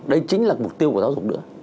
đây chính là mục tiêu của giáo dục nữa